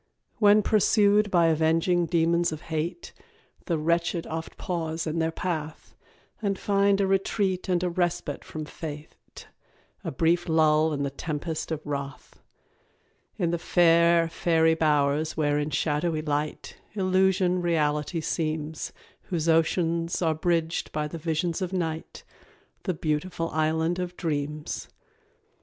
When pursued by avenging demons of hate, The wretched oft pause in their path, And find a retreat and a respite from fate A brief lull in the tempest of wrath; In the fair fairy bowers where in shadowy light, Illusion reality seems, Whose oceans are bridged by the visions of night The Beautiful Island of Dreams.